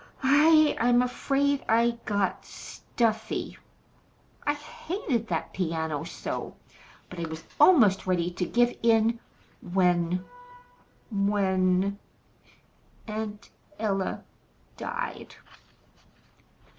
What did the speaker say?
I I'm afraid I got stuffy. I hated that piano so! But I was almost ready to give in when when Aunt Ella died."